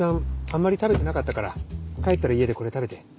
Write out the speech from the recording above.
あんまり食べてなかったから帰ったら家でこれ食べて。